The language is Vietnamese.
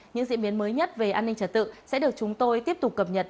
những diễn biến mới nhất về an ninh trật tự sẽ được chúng tôi tiếp tục cập nhật